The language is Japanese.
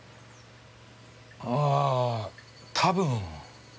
ああ多分。